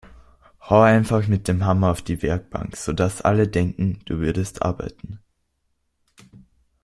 Hau einfach mit dem Hammer auf die Werkbank, sodass alle denken, du würdest arbeiten!